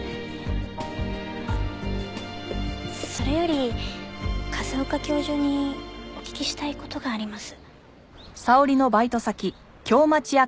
それより風丘教授にお聞きしたい事があります。